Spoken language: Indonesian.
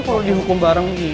kalau dihukum bareng gila